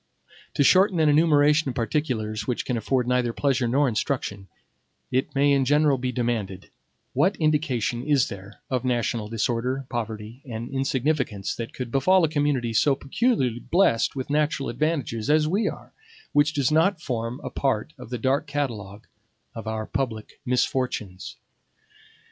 To shorten an enumeration of particulars which can afford neither pleasure nor instruction, it may in general be demanded, what indication is there of national disorder, poverty, and insignificance that could befall a community so peculiarly blessed with natural advantages as we are, which does not form a part of the dark catalogue of our public misfortunes?